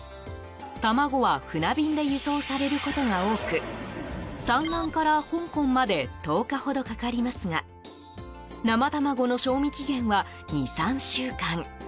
卵は船便で輸送されることが多く産卵から香港まで１０日ほどかかりますが生卵の賞味期限は２３週間。